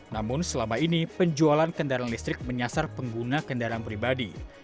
namun selama ini penjualan kendaraan listrik menyasar pengguna kendaraan pribadi